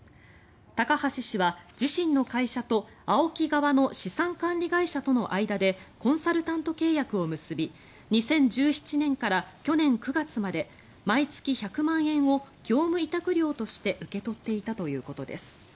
高橋氏は自身の会社とＡＯＫＩ側の資産管理会社との間でコンサルタント契約を結び２０１７年から去年９月まで毎月１００万円を業務委託料として受け取っていたということです。